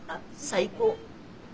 最高！